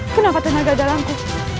kenapa tenaga dalamku